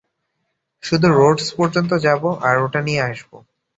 শুধু রোডস পর্যন্ত যাবো আর ওটা নিয়ে আসব।